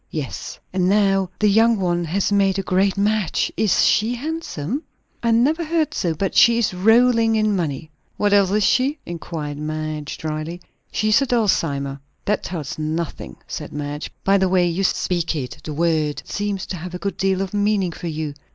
"Yes." "And now the young one has made a great match? Is she handsome?" "I never heard so. But she is rolling in money." "What else is she?" inquired Madge dryly. "She is a Dulcimer." "That tells me nothing," said Madge. "By the way you speak it, the word seems to have a good deal of meaning for you."